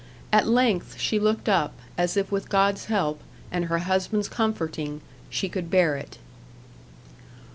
At length she looked up, as if with God's help and her husband's comforting she could bear it.